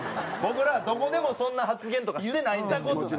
僕らはどこでもそんな発言とかしてないんですよ。